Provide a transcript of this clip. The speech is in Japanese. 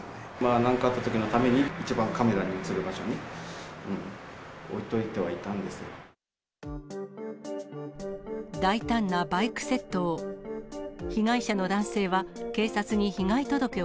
なんかあったときのために、一番カメラに写る場所に置いといてはいたんですけど。